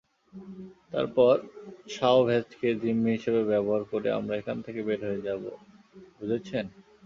তারপর সাওভ্যাজকে জিম্মি হিসেবে ব্যবহার করে আমরা এখান থেকে বের হয়ে যাব, বুঝেছেন?